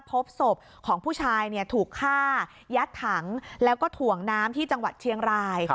พบศพของผู้ชายถูกฆ่ายัดถังแล้วก็ถ่วงน้ำที่จังหวัดเชียงราย